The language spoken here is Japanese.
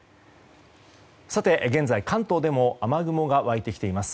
さて現在、関東でも雨雲が湧いてきています。